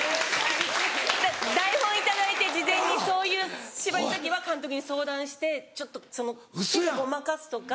台本頂いて事前にそういう芝居の時は監督に相談してちょっとそのごまかすとか。